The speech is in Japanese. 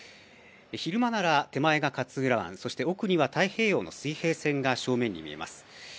昼間なら手前が勝浦湾、そして奥には太平洋の水平線が正面に見えます。